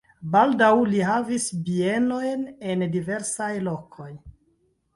Baldaŭ li havis bienojn en diversaj lokoj.